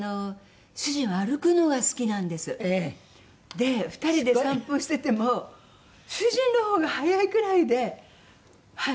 で２人で散歩してても主人のほうが速いくらいではい。